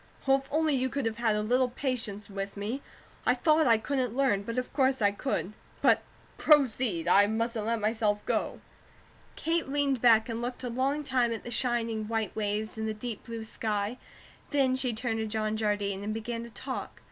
Oh, if only you could have had a little patience with me. I thought I COULDN'T learn, but of course I COULD. But, proceed! I mustn't let myself go." Kate leaned back and looked a long time at the shining white waves and the deep blue sky, then she turned to John Jardine, and began to talk.